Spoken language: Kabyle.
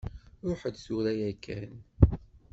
Ṛuḥ-d tura yakkan!